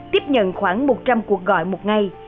tiếp nhận khoảng một trăm linh cuộc gọi một ngày